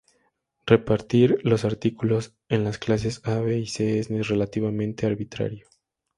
Repartir los artículos en las clases A, B y C es relativamente arbitrario.